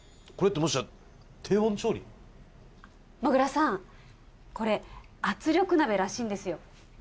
もぐらさんこれ圧力鍋らしいんですよね